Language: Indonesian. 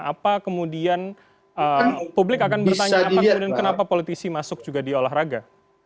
apa kemudian publik akan bertanya kenapa politisi masuk juga di olahraga